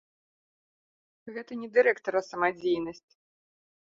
Гэта не дырэктара самадзейнасць.